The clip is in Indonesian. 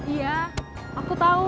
iya aku tahu